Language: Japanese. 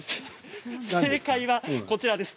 正解はこちらです。